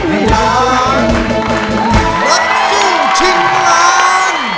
ลับสู้ชิงล้าน